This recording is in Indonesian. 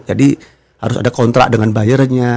jadi harus ada kontrak dengan bayarnya